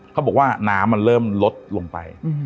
เขาบอกว่าน้ำมันเริ่มลดลงไป